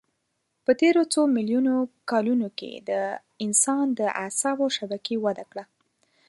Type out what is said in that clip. په تېرو څو میلیونو کلونو کې د انسان د اعصابو شبکې وده کړه.